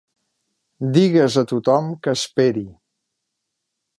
Digues a tothom que esperi.